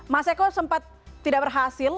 mas eko sempat tidak berhasil